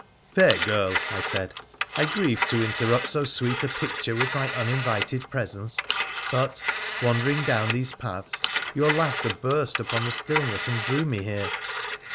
' Fair girl,' I said, ' I grieve to interrupt so sweet a picture with my uninvited presence, but, wandering down PHRA THE PHOENICIAN 287 these paths, your laughter burst upon the stillness and drew me here.'